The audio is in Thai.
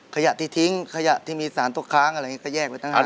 ขยะที่ทิ้งขยะที่มีสารตกค้างอะไรอย่างนี้ก็แยกไปทั้งนั้น